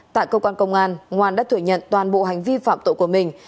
tại cơ quan công an ngoan đã thừa nhận toàn bộ hành vi phạm tội của mình